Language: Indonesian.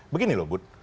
begini loh bud